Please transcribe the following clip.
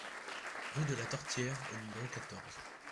Rue de la Tortière au numéro quatorze